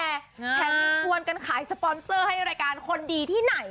แถมยังชวนกันขายสปอนเซอร์ให้รายการคนดีที่ไหน